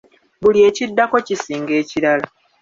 Buli ekiddako kisinga ekirala.